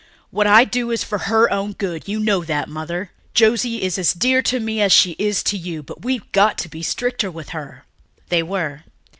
What I do is for her own good, you know that, Mother. Josie is as dear to me as she is to you, but we've got to be stricter with her." They were.